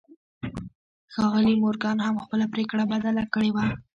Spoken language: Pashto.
ښاغلي مورګان هم خپله پرېکړه بدله کړې وه.